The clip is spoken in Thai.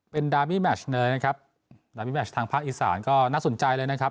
เป็นดามี่แมชเนยนะครับดามีแมชทางภาคอีสานก็น่าสนใจเลยนะครับ